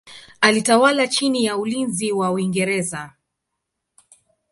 Alitawala chini ya ulinzi wa Uingereza.